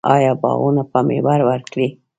آیا باغونه به میوه ورکړي؟